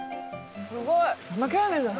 すごい！何？